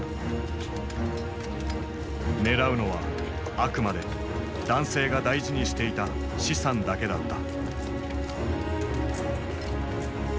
狙うのはあくまで男性が大事にしていた資産だけだった。